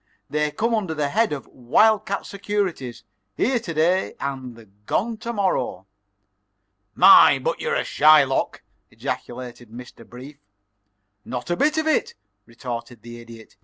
They come under the head of wild cat securities here to day and gone to morrow." "My, but you're a Shylock!" ejaculated Mr. Brief. "Not a bit of it," retorted the Idiot.